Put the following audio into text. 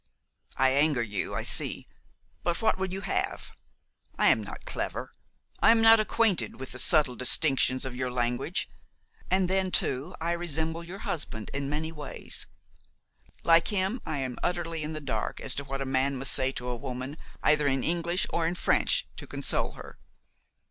"I anger you, I see; but what would you have! I am not clever; I am not acquainted with the subtle distinctions of your language, and then, too, I resemble your husband in many ways. Like him I am utterly in the dark as to what a man must say to a woman, either in English or in French, to console her.